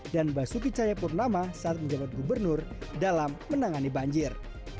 dan basuki chayapurnama saat menjawab gubernur dalam menangani banjir